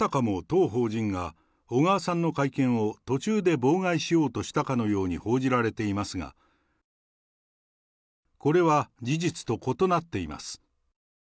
当法人が小川さんの会見を途中で妨害しようとしたかのように報じられていますが、これは事実と異なっています。